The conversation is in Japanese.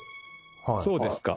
そうですか。